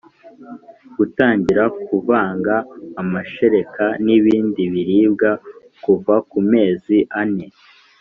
Gutangira kuvanga amashereka n ibindi biribwa kuva ku mezi ane